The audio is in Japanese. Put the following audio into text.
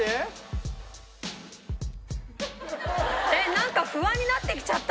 なんか不安になってきちゃった